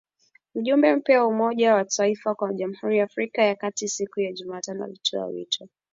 Mjumbe mpya wa Umoja wa mataifa kwa Jamhuri ya Afrika ya kati siku ya Jumatano alitoa wito